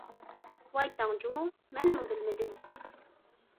ۋاي تاڭ جۇمۇ، مەنمۇ بىلمىدىم!